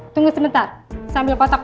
tunggu sebentar sambil kotak p tiga k